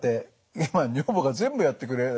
今女房が全部やってくれてますね。